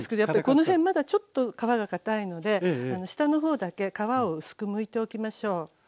やっぱりこの辺まだちょっと皮がかたいので下の方だけ皮を薄くむいておきましょう。